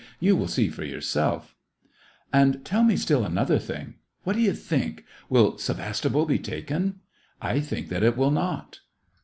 You will see for your self." "And tell me still another thing. What do you think.? — will Sevastopol betaken.? I think that it will not."